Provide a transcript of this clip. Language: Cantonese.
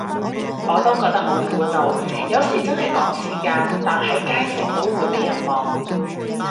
我都覺得好苦惱，有時真係趕時間，但喺街食都會被人望